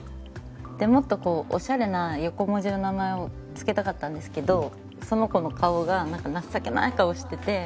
でもっとこうオシャレな横文字の名前を付けたかったんですけどその子の顔がなんか情けない顔してて。